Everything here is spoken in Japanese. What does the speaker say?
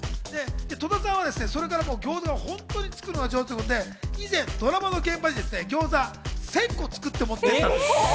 戸田さんはそれからギョーザを本当に作るのが上手ということで、以前ドラマの現場にギョーザ１０００個作って持っていったんですって。